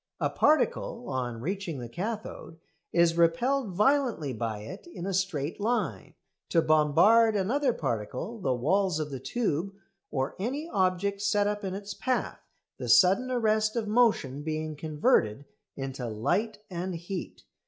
A particle, on reaching the cathode, is repelled violently by it in a straight line, to "bombard" another particle, the walls of the tube, or any object set up in its path, the sudden arrest of motion being converted into light and heat.